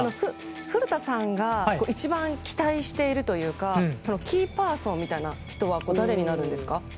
古田さんが一番期待しているというかキーパーソンみたいな人は誰になるんですか？